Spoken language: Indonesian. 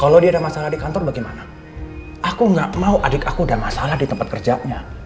aku gak mau adik aku udah masalah di tempat kerjaannya